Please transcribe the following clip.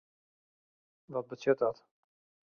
Wat betsjut dat?